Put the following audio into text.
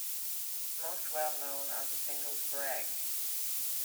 Most well known are the singles Greg!